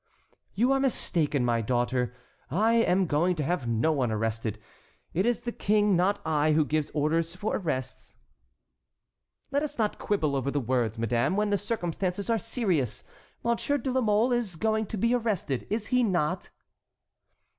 "You are mistaken, my daughter, I am going to have no one arrested. It is the King, not I, who gives orders for arrests." "Let us not quibble over the words, madame, when the circumstances are serious. Monsieur de la Mole is going to be arrested, is he not?"